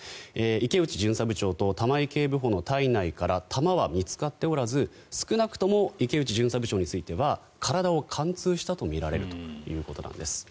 池内巡査部長と玉井警部補の体内から弾は見つかっておらず少なくとも池内巡査部長については体を貫通したとみられるということです。